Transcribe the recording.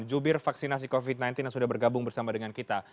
jubir vaksinasi covid sembilan belas yang sudah bergabung bersama dengan kita